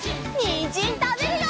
にんじんたべるよ！